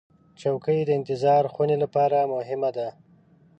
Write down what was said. چوکۍ د انتظار خونې لپاره مهمه ده.